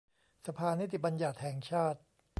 สภานิติบัญญัติแห่งชาติ